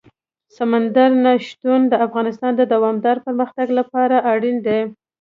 سمندر نه شتون د افغانستان د دوامداره پرمختګ لپاره اړین دي.